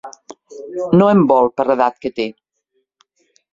No em vol per l'edat que té.